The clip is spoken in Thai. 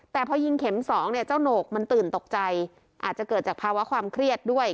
แต่พอยิงเข็มสองเนี่ยเจ้าโหนกมันตื่นตกใจอาจจะเกิดจากภาวะความเครียดด้วย